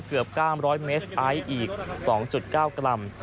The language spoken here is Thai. เกือบ๙๐๐เมตรไอซ์อีก๒๙กรัม